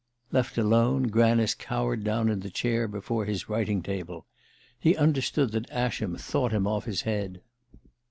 Left alone, Granice cowered down in the chair before his writing table. He understood that Ascham thought him off his head.